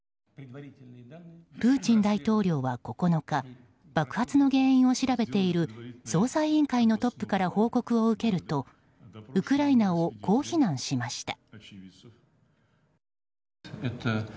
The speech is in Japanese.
プーチン大統領は９日、爆発の原因を調べている捜査委員会のトップから報告を受けるとウクライナをこう非難しました。